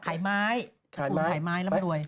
ขายไม้ผู้ขายไม้รำรวย